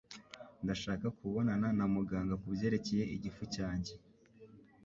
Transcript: Ndashaka kubonana na muganga kubyerekeye igifu cyanjye.